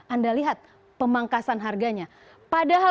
anda lihat pemangkasan harganya